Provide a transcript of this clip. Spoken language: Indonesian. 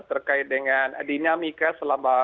terkait dengan dinamika selama